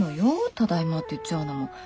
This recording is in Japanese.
「ただいま」って言っちゃうのも。